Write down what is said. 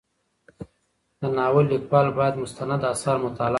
د ناول لیکوال باید مستند اثار مطالعه کړي.